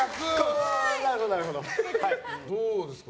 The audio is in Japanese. どうですか？